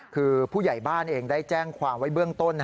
คือผู้ใหญ่บ้านเองได้แจ้งความไว้เบื้องต้น